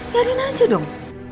yarin aja dong